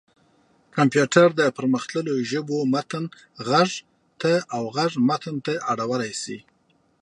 کمپيوټر د پرمختلليو ژبو متن غږ ته او غږ متن ته اړولی شي.